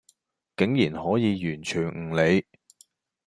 竟然可以完全唔理